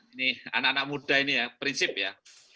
ini anak anak muda ini ya prinsip ya